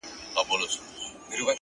• بیا به جهان راپسي ګورې نه به یمه,